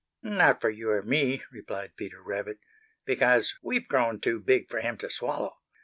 "Not for you or me," replied Peter Rabbit, "because we've grown too big for him to swallow.